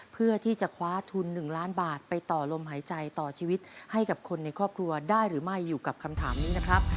เพื่อที่จะคว้าทุน๑ล้านบาทไปต่อลมหายใจต่อชีวิตให้กับคนในครอบครัวได้หรือไม่อยู่กับคำถามนี้นะครับ